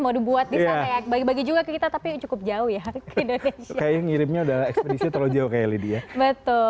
mau dibuat juga kita tapi cukup jauh ya ngirimnya udah ekspedisi terlalu jauh kayak